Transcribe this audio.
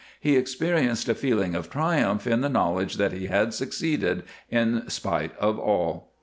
He experienced a feeling of triumph at the knowledge that he had succeeded in spite of all.